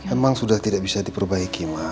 emang sudah tidak bisa diperbaiki mas